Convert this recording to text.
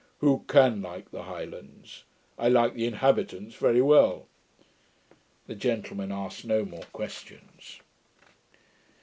Who CAN like the Highlands? I like the inhabitants very well.' The gentleman asked no more questions.